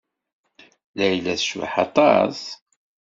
Layla tecbeḥ aṭas.